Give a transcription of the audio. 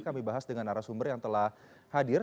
kami bahas dengan arah sumber yang telah hadir